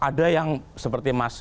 ada yang seperti mas